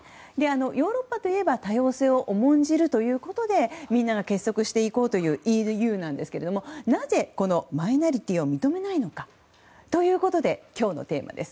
ヨーロッパといえば多様性を重んじるということでみんなが結束していこうというＥＵなんですがなぜ、このマイノリティーを認めないのかということで今日のテーマです。